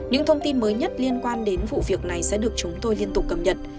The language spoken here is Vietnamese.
những thông tin mới nhất liên quan đến vụ việc này sẽ được chúng tôi liên tục cầm nhận